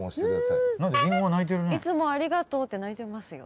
いつもありがとうって泣いてますよ。